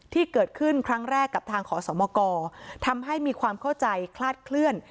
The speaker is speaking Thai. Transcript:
ที่เกิดขึ้นครั้งแรกกับทางขอสมกรทำให้มีความเข้าใจคลาดเคลื่อน